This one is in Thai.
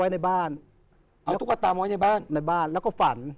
ในบ้านแล้วก็ฝัน